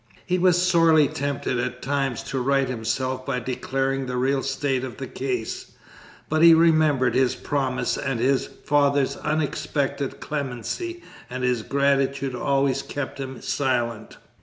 He was sorely tempted at times to right himself by declaring the real state of the case; but he remembered his promise and his father's unexpected clemency and his gratitude always kept him silent.